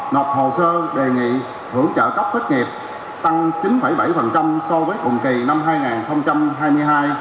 nộp hồ sơ đề nghị hưởng trợ cấp thất nghiệp tăng chín bảy so với cùng kỳ năm hai nghìn hai mươi hai